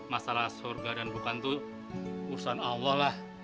masalah surga dan bukan itu urusan allah lah